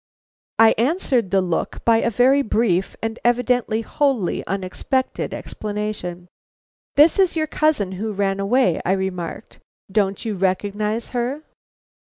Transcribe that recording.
I answered the look by a very brief and evidently wholly unexpected explanation. "This is your cousin who ran away," I remarked. "Don't you recognize her?"